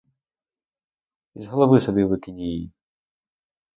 І з голови собі викинь її!